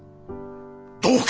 どうか！